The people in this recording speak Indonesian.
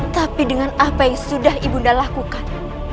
tapi dengan apa yang sudah ibunda lakukan